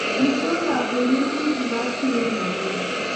Amitwogikap koimen koisu kapchi eng kipakenge